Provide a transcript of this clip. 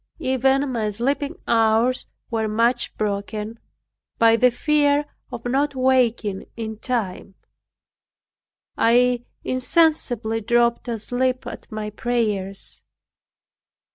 Even my sleeping hours were much broken, by the fear of not waking in time, I insensibly dropped asleep at my prayers.